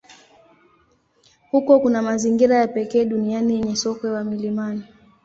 Huko kuna mazingira ya pekee duniani yenye sokwe wa milimani.